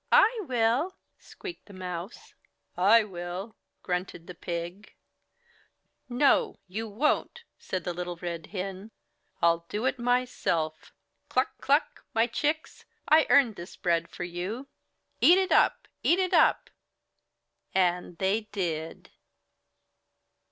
"I WILL," squeaked the Mouse. "I WILL," grunted the Pig. "NO! YOU WON'T," said Little Red Hen, "I'll do it myself. Cluck! Cluck! my chicks! I earned this bread for you! Eat it up! Eat it up!" And they did.